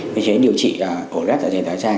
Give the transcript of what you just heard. vì thế điều trị ổ lết dạ dày dạ trang